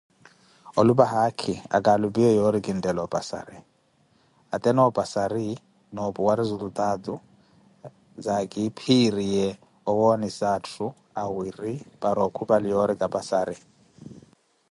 Olupa haakhi akakhupaliye yoori kinteela opasari, ate noopasari, noopuwa resultaatu za kapirizariye owoonisa atthu awiri para okhupali yoori kapasari.